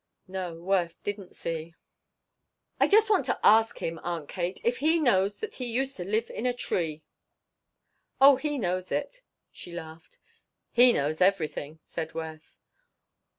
No, Worth didn't see. "I just want to ask him, Aunt Kate, if he knows that he used to live in a tree." "Oh, he knows it," she laughed. "He knows everything," said Worth.